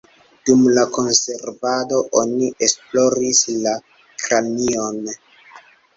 Dum la konservado oni esploris la kranion.